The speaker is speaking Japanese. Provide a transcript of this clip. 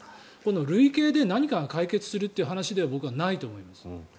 類型で何かが解決するという話では僕はないと思います。